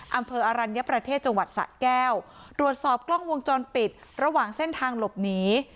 อำเภออรัญญประเทศจังหวัดสะแก้วตรวจสอบกล้องวงจรปิดระหว่างเส้นทางหลบหนี